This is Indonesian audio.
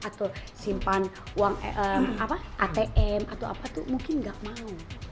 atau simpan uang atm atau apa tuh mungkin nggak mau